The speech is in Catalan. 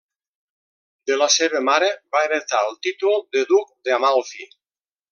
De la seva mare va heretar el títol de duc d'Amalfi.